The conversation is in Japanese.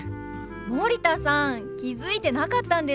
森田さん気付いてなかったんですか？